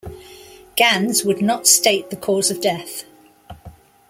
Gins would not state the cause of death.